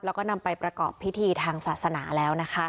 แล้วก็นำไปประกอบพิธีทางศาสนาแล้วนะคะ